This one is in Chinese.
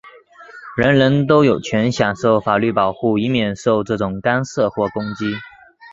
人人有权享受法律保护,以免受这种干涉或攻击。